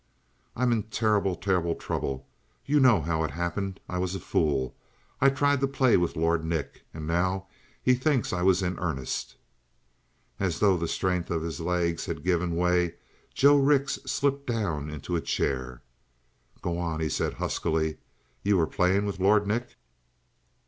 "I'm in terrible, terrible trouble! You know how it happened. I was a fool. I tried to play with Lord Nick. And now he thinks I was in earnest." As though the strength of his legs had given way, Joe Rix slipped down into a chair. "Go on," he said huskily. "You were playing with Lord Nick?"